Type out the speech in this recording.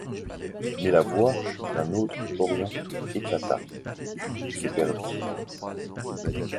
Mais la voix d'un autre porion éclata, puis se perdit.